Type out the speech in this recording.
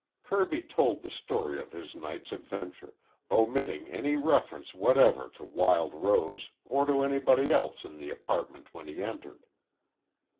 Kirby told the story of his night's adventure, omitting any reference whatever to Wild Rose or to anybody else in the apartment when he entered.